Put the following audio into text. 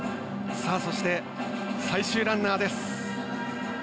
さあ、そして最終ランナーです。